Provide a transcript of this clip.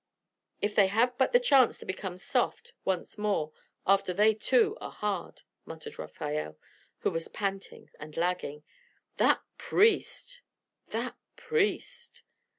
"If they have but the chance to become soft once more after they too are hard!" muttered Rafael, who was panting and lagging. "That priest! that priest!"